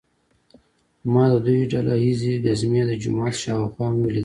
ما د دوی ډله ییزې ګزمې د جومات شاوخوا هم ولیدلې.